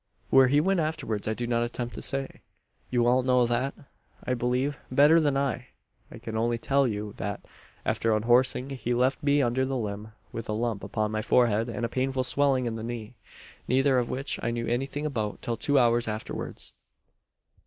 "Where he went afterwards I do not attempt to say. You all know that I believe, better than I. I can only tell you, that, after unhorsing, he left me under the limb, with a lump upon my forehead and a painful swelling in the knee; neither of which I knew anything about till two hours afterwards.